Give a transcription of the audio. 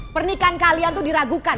pernikahan kalian tuh diragukan